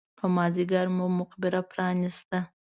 په مازیګر مو مقبره پرانېسته.